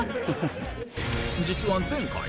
実は前回